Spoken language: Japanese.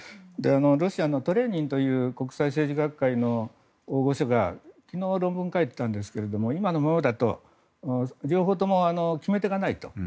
ロシアのトレーニンという国際政治学会の大御所が昨日、論文を書いていたんですが今のままだと両方とも決め手がないと。